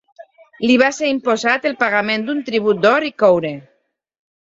Li va ser imposat el pagament d'un tribut d'or i coure.